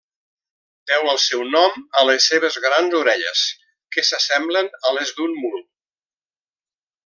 Deu el seu nom a les seves grans orelles, que s'assemblen a les d'un mul.